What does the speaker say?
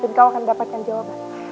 dan kau akan dapatkan jawaban